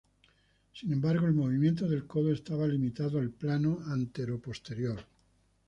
Sin embargo, el movimiento del codo estaba limitado al plano anteroposterior.